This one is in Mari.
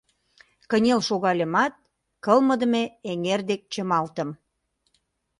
Кынел шогальымат, кылмыдыме эҥер дек чымалтым.